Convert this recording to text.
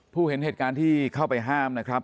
เห็นเหตุการณ์ที่เข้าไปห้ามนะครับ